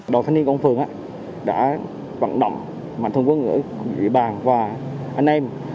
đội phân yên của ông phường đã vận động mạnh thông quân của địa bàn và anh em